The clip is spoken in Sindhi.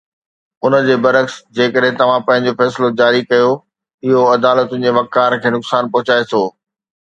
ان جي برعڪس، جيڪڏهن توهان پنهنجو فيصلو جاري ڪيو، اهو عدالتن جي وقار کي نقصان پهچائي ٿو